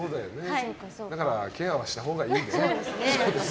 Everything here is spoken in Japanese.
だからケアはしたほうがいいね。